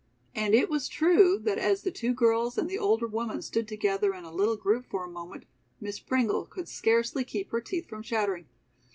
And it was true that as the two girls and the older woman stood together in a little group for a moment, Miss Pringle could scarcely keep her teeth from chattering.